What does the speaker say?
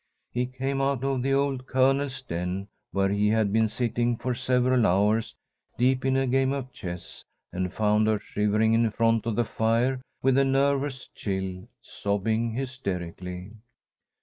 He came out of the old Colonel's den, where he had been sitting for several hours, deep in a game of chess, and found her shivering in front of the fire with a nervous chill, sobbing hysterically.